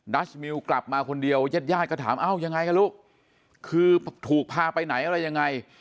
ัชมิวกลับมาคนเดียวยาดก็ถามเอ้ายังไงกันลูกคือถูกพาไปไหนอะไรยังไง